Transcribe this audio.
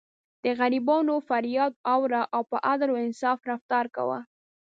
د غریبانو فریاد اوره او په عدل او انصاف رفتار کوه.